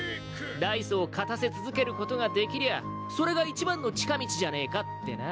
ダイスを勝たせ続けることができりゃあそれが一番の近道じゃねえかってな。